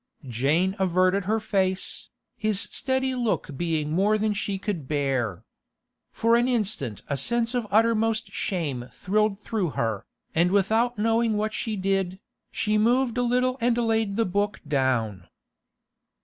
Jane averted her face, his steady look being more than she could bear. For an instant a sense of uttermost shame thrilled through her, and without knowing what she did, she moved a little and laid the book down.